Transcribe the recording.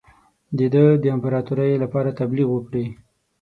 د ده د امپراطوری لپاره تبلیغ وکړي.